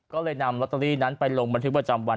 ก็เลยนำลอตเตอรี่นั้นไปลงบันทึกประจำวัน